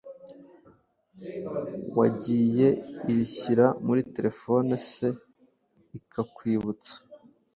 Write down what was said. Wagiye ibishyira muri terefone se ikakwibutsa!